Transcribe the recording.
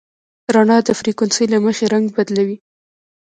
رڼا د فریکونسۍ له مخې رنګ بدلوي.